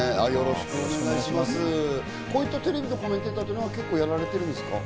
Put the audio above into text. こういったテレビのコメンテーターは結構やられているんですか？